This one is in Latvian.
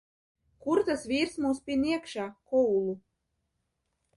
Kur tas vīrs mūs pin iekšā, Koul?